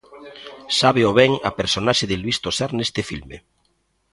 Sábeo ben a personaxe de Luís Tosar neste filme.